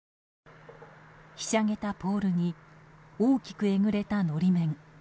ひしゃげたポールに大きくえぐれた法面。